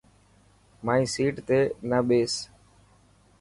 مائي سيٽ تي نه ٻيس.